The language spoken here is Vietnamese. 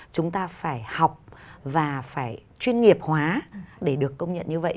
chúng ta phải học và phải chuyên nghiệp hóa để được công nhận như vậy